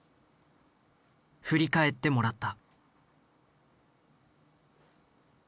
振り返ってもらった。